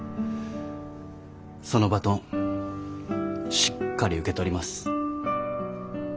そのバトンしっかり受け取ります。